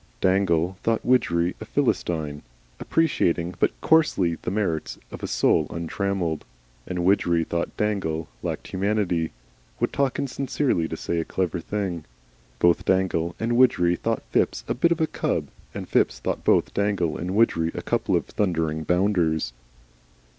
Dangle thought Widgery a Philistine, appreciating but coarsely the merits of "A Soul Untrammelled," and Widgery thought Dangle lacked, humanity would talk insincerely to say a clever thing. Both Dangle and Widgery thought Phipps a bit of a cub, and Phipps thought both Dangle and Widgery a couple of Thundering Bounders.